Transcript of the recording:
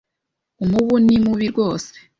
Umubu ni mubi rwose